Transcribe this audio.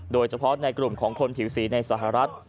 โดยเฉพาะในกลุ่มของคนผิวสีในสหรัฐ